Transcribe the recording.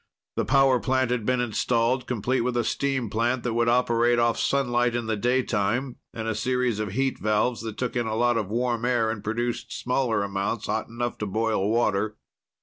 The power plant had been installed, complete with a steam plant that would operate off sunlight in the daytime through a series of heat valves that took in a lot of warm air and produced smaller amounts hot enough to boil water.